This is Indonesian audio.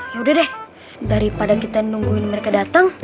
yaudah deh daripada kita nungguin mereka datang